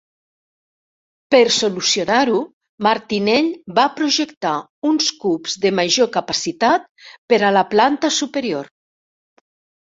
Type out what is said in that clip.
Per solucionar-ho, Martinell va projectar uns cups de major capacitat per a la planta superior.